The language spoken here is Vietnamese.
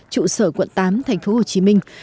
trụ sở quận tám tp hcm